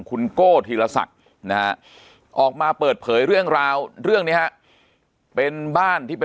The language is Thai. คุณโก้ธีรศักดิ์นะฮะออกมาเปิดเผยเรื่องราวเรื่องนี้ฮะเป็นบ้านที่เป็น